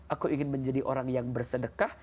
aku ingin menjadi orang yang bersedekah